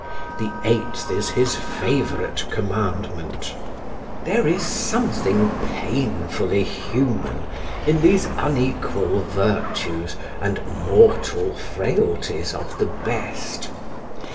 The eighth is his favourite commandment. There is something painfully human in these unequal virtues and mortal frailties of the best.